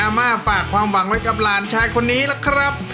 มาฝากความหวังไว้กับหลานชายคนนี้ล่ะครับ